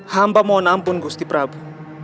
hamba mohon ampun gusti prabu